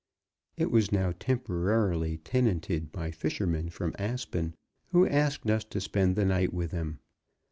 It was now temporarily tenanted by fishermen from Aspen, who asked us to spend the night with them.